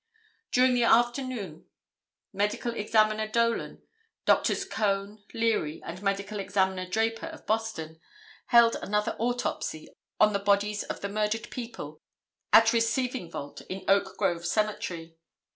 During the afternoon Medical Examiner Dolan, Drs. Cone, Leary and Medical Examiner Draper of Boston, held another autopsy on the bodies of the murdered people at receiving vault in Oak Grove Cemetery.